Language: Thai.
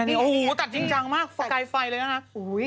อันนี้ไหมคุณแม่ตัดจริงจังมากฝากกายไฟเลยนะฮะ